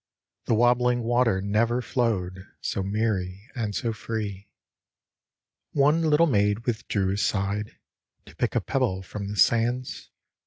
The wobbling water never flowed So merry and so free. One little maid withdrew aside To pick a pebble from the sands.